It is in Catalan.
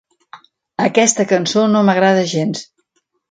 Aquesta cançó no m'agrada gens.